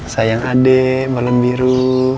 sayang ade balem biru